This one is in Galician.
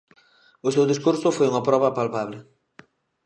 O seu discurso foi unha proba palpable.